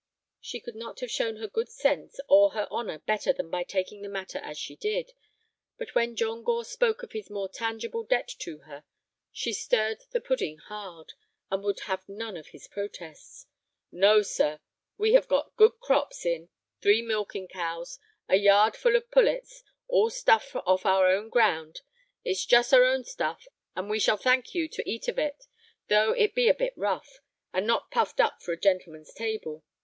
She could not have shown her good sense or her honor better than by taking the matter as she did. But when John Gore spoke of his more tangible debt to her, she stirred the pudding hard, and would have none of his protests. "No, sir, we have got good crops in, three milking cows, a yard full of pullets, all stuff off our own ground. It's just our own stuff, and we shall thank you to eat of it, though it be a bit rough, and not puffed up for a gentleman's table.